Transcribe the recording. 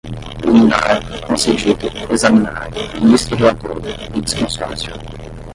liminar, concedido, examinar, ministro relator, litisconsórcio